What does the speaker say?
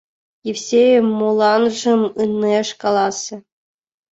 Евсей моланжым ынеж каласе.